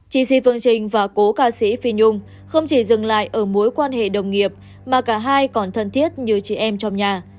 chi si phương trinh và cô ca sĩ phi nhung không chỉ dừng lại ở mối quan hệ đồng nghiệp mà cả hai còn thân thiết như chị em trong nhà